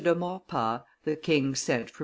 de Maurepas, the king sent for M.